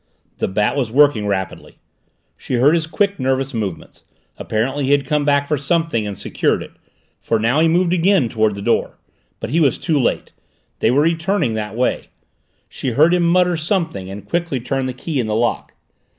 The Bat was working rapidly. She heard his quick, nervous movements; apparently he had come back for something and secured it, for now he moved again toward the door. But he was too late; they were returning that way. She heard him mutter something and quickly turn the key in the lock.